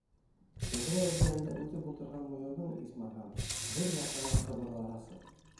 Тәҙрә эргәһендә үҫеп ултырған муйылдың, исмаһам, бер япрағы ҡыбырлаһасы.